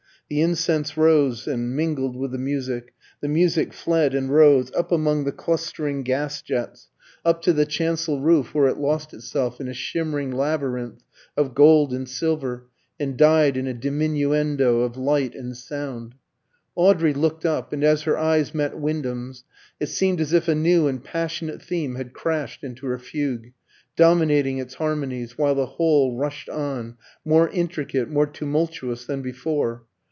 The incense rose and mingled with the music; the music fled and rose, up among the clustering gas jets, up to the chancel roof where it lost itself in a shimmering labyrinth of gold and sapphire, and died in a diminuendo of light and sound. Audrey looked up, and as her eyes met Wyndham's, it seemed as if a new and passionate theme had crashed into her fugue, dominating its harmonies, while the whole rushed on, more intricate, more tumultuous than before.